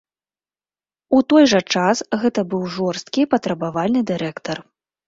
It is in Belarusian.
У той жа час гэта быў жорсткі, патрабавальны дырэктар.